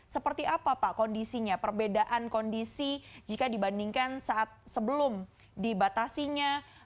seperti apa pak kondisinya perbedaan kondisi jika dibandingkan saat sebelum dibatasinya